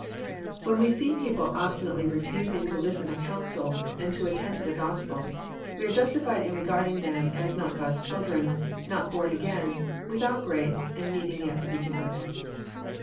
When we see people obstinately refusing to listen to counsel, and to attend to the Gospel, we are Justified in regarding them as not God's children, not bom again, without grace, and needing yet to be converted.